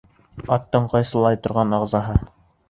Аттың ҡайсылай торған ағзаһы.